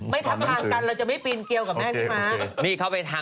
ไม่ทำทางกันเราจะไม่ปรีนเกลียวกับแม่ดิมา